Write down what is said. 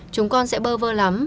chúng con sẽ bơ vơ lắm